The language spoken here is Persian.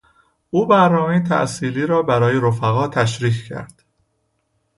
او برنامهٔ تحصیلی را برای رفقاء تشریح کرد.